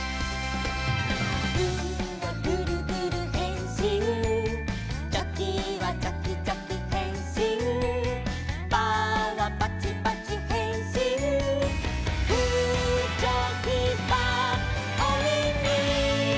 「グーはグルグルへんしん」「チョキはチョキチョキへんしん」「パーはパチパチへんしん」「グーチョキパーおみみ」